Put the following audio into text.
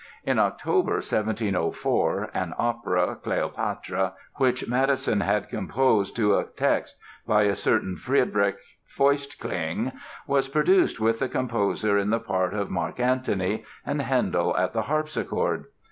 In October, 1704, an opera, "Cleopatra" which Mattheson had composed to a text by a certain Friederick Feustkling, was produced with the composer in the part of Mark Antony and Handel at the harpsichord.